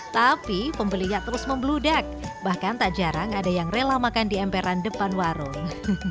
tapi pembelinya terus membeludak bahkan tak jarang ada yang rela makan di emperan depan warung